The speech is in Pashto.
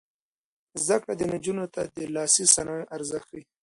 زده کړه نجونو ته د لاسي صنایعو ارزښت ښيي.